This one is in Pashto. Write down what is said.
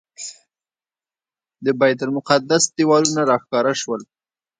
د بیت المقدس دیوالونه راښکاره شول.